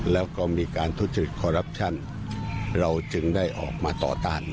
แล้วก็มีการทุจริตคอรัปชั่นเราจึงได้ออกมาต่อต้าน